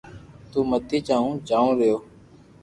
تو متي جا ھون جاو رھيو